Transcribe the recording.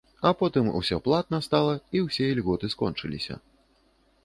А потым ўсё платна стала, і ўсе ільготы скончыліся.